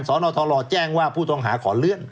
สนทองหล่อแจ้งว่าผู้ต่องหาขอเลื่อน